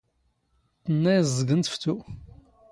ⵜⵏⵏⴰ ⵉⵥⵥⴳⵏ ⵜⴼⵜⵓ